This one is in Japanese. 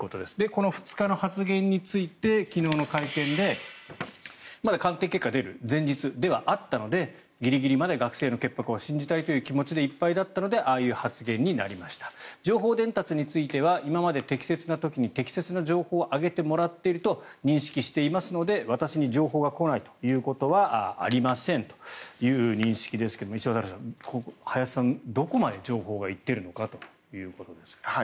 この２日の発言について昨日の会見で鑑定結果が出る前日ではあったのでギリギリまで学生の潔白を信じたいという気持ちでいっぱいだったのでああいう発言になりました情報伝達については今まで適切な時に適切な情報を上げてもらっていると認識していますので私に情報が来ないということはありませんという認識ですが石渡さん、林さん、どこまで情報が行っているのかということですが。